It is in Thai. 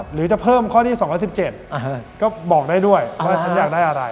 หรือจะเพิ่มข้อที่๒๑๗ก็บอกได้ด้วยว่าฉันอยากได้อะไร